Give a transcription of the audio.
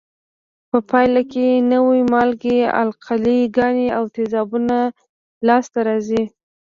په پایله کې نوې مالګې، القلي ګانې او تیزابونه لاس ته راځي.